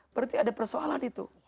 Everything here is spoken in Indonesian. berarti ada persoalan itu